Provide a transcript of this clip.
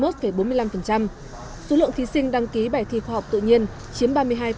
số lượng thí sinh đăng ký bài thi khoa học tự nhiên chiếm ba mươi hai